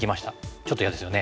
ちょっと嫌ですよね。